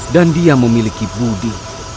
dan dia memiliki budi